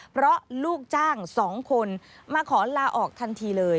เพราะลูกจ้าง๒คนมาขอลาออกทันทีเลย